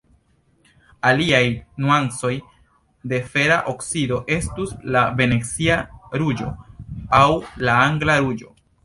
Aliaj nuancoj de fera oksido estus la Venecia ruĝo aŭ la Angla ruĝo.